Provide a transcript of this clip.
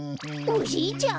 おじいちゃん？